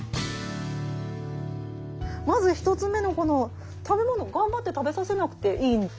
まず１つ目のこの食べ物頑張って食べさせなくていい？